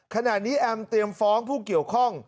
แอมเตรียมฟ้องผู้เกี่ยวข้อง